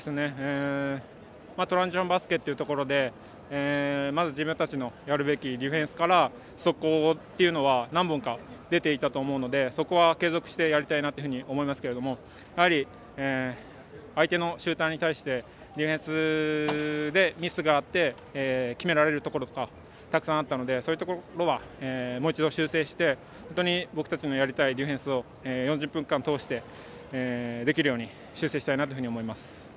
トランジションバスケというところで自分たちのやるべきところから速攻っていうのは何本か出ていたと思うのでそこは継続してやりたいなと思いますけれどもやはり相手のシューターに対してディフェンスで、ミスがあって決められるところとかがたくさんあったのでそういうところはもう一度修正して僕たちのやりたいディフェンスを４０分間、通してできるように修正したいなというふうに思います。